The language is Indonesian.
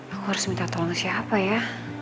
aku harus minta tolong siapa ya